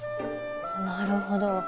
なるほど。